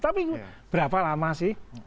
tapi berapa lama sih